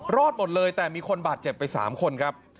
รอดหมดเลยแต่มีคนบาดเจ็บไป๓คนครับ